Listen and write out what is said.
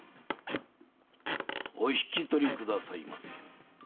お引き取りくださいませ。